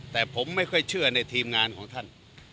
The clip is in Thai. แต่ผมไม่ค่อยเชื่อในทีมงานของท่าน